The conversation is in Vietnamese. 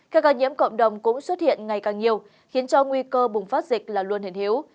các ca nhiễm cộng đồng cũng xuất hiện ngày càng nhiều khiến cho nguy cơ bùng phát dịch là luôn hiển hiếu